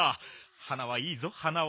花はいいぞ花は。